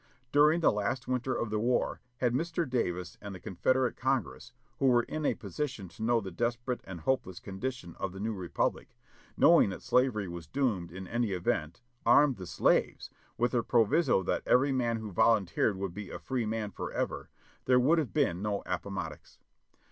During the last winter of the war had Mr. Davis and the Con federate Congress, who were in a position to know the desperate and hopeless condition of the New Republic, knowing that slavery was doomed in any event, armed the slaves, with the proviso that every man who volunteered would be a free man forever, there would have been no Appomattox.